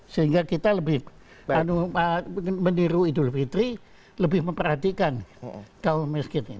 sehingga kita lebih meniru idul fitri lebih memperhatikan kaum miskin ini